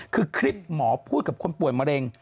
คือคลิปหมอพูดกับคนป่วยมะเร็ง